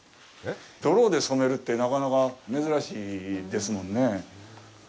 泥で染めるってなかなか珍しいですもんね。